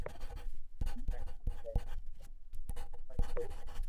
ھو ھين ھمج آئي گئي ھي ھين ھمج ڪوئي